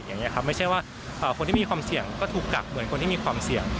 อย่างนี้ครับไม่ใช่ว่าคนที่มีความเสี่ยงก็ถูกกักเหมือนคนที่มีความเสี่ยง